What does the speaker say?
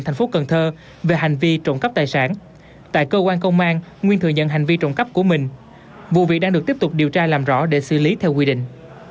thành phố cần thơ về hành vi trộm cắp tài sản tại cơ quan công an nguyên thừa nhận hành vi trộm cắp của mình vụ việc đang được tiếp tục điều tra làm rõ để xử lý theo quy định